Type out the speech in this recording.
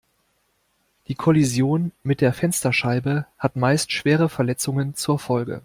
Die Kollision mit der Fensterscheibe hat meist schwere Verletzungen zur Folge.